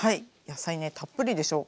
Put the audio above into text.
野菜ねたっぷりでしょ。